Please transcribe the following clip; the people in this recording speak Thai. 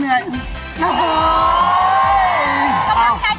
กำลังใจ